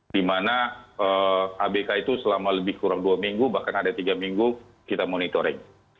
dimana abk itu selama kurang lebih dua minggu bahkan ada tiga minggu kita monitoring